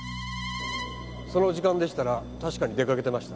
その時間でしたら確かに出かけていました。